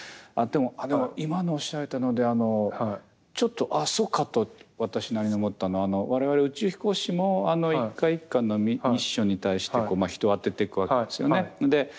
でも今のおっしゃられたのでちょっとあっそうかと私なりに思ったのは我々宇宙飛行士も１回１回のミッションに対して人を充てていくわけですよね。